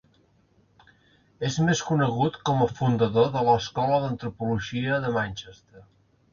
És més conegut com a fundador de l'Escola d'Antropologia de Manchester.